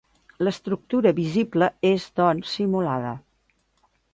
L'estructura visible és doncs simulada.